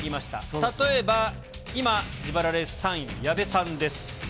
例えば、今、自腹レース３位の矢部さんです。